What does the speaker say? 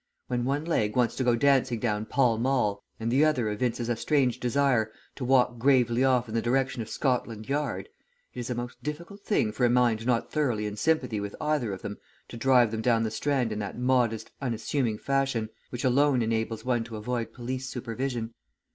When one leg wants to go dancing down Pall Mall, and the other evinces a strange desire to walk gravely off in the direction of Scotland Yard, it is a most difficult thing for a mind not thoroughly in sympathy with either of them to drive them down the Strand in that modest, unassuming fashion which alone enables one to avoid police supervision.